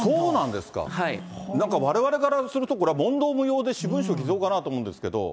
なんかわれわれからすると、これは問答無用で、私文書偽造かなと思うんですけれども。